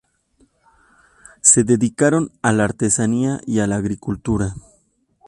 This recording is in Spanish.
Se dedicaron a la artesanía y a la agricultura.